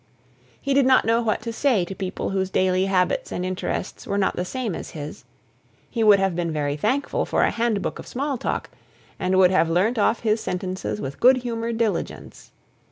He did not know what to say to people whose daily habits and interests were not the same as his; he would have been very thankful for a handbook of small talk, and would have learnt off his sentences with good humoured diligence.